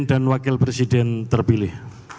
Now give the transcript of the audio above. dan wakil presiden terpilih